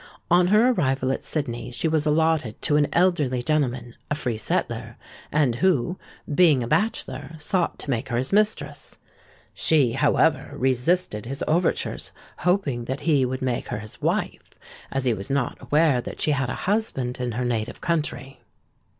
On her arrival at Sydney she was allotted to an elderly gentleman, a free settler, and who, being a bachelor, sought to make her his mistress. She, however, resisted his overtures, hoping that he would make her his wife, as he was not aware that she had a husband in her native country.